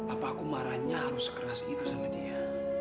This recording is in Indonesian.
apa aku marahnya harus sekeras gitu sama dia